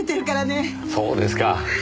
そうですか。